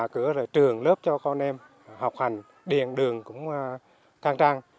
cửa trường lớp cho con em học hành điện đường cũng khang trang